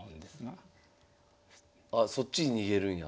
そっちに逃げるんや。